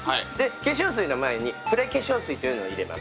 化粧水の前にプレ化粧水というのを入れます。